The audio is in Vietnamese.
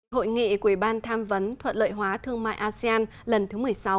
hội nghị của ủy ban tham vấn thuận lợi hóa thương mại asean lần thứ một mươi sáu